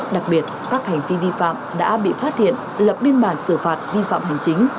đặc biệt các hành vi vi phạm đã bị phát hiện lập biên bản xử phạt vi phạm hành chính